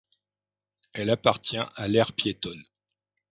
Elle appartient à l'aire piétonne.